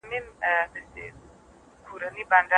ما په مېلمستون کې له خپل پخواني استاد سره ولیدل.